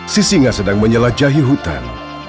sisinga sedang menjelajahi hutan